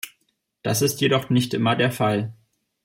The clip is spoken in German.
Das ist jedoch nicht immer der Fall.